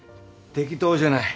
適当じゃない。